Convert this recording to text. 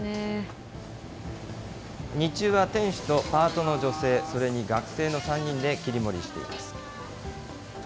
日中は店主とパートの女性、それに学生の３人で切り盛りしています。